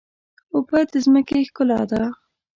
اوبه د ځمکې ښکلا ده.